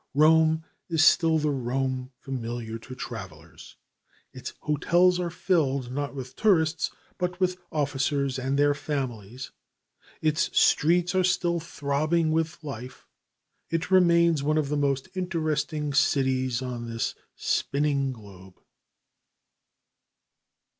Rome is still the Rome familiar to travelers. Its hotels are filled, not with tourists, but with officers and their families. Its streets are still throbbing with life, it remains one of the most interesting cities on this spinning globe.